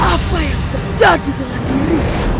apa yang terjadi dengan diri